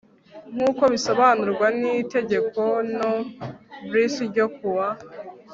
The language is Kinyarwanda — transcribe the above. nk'uko bisobanurwa n'itegeko no bis ryo kuwa